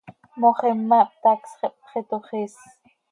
Moxima ihptacsx, ihpxitoxiis.